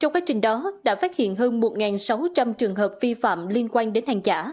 trong quá trình đó đã phát hiện hơn một sáu trăm linh trường hợp vi phạm liên quan đến hàng giả